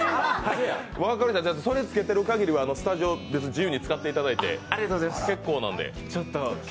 それをつけている限りは、スタジオを自由に使っていただいて結構なので。